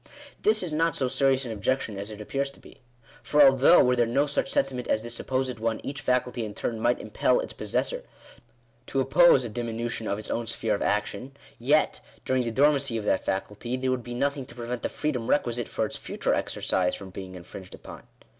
This is not so serious an objection as it appears to be. For although, were there no such sentiment as this supposed one, each faculty in turn might impel its possessor to oppose a dimi nution of its own sphere of action, yet, during the dormancy of that faculty, there would be nothing to prevent the freedom requi site far its future exercise from being infringed upon.